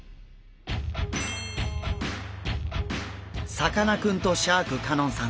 さかなクンとシャーク香音さん